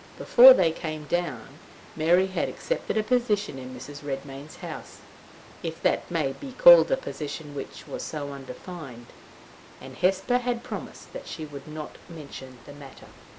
Before they came down, Mary had accepted a position in Mrs. Redmain's house, if that may be called a position which was so undefined; and Hesper had promised that she would not mention the matter.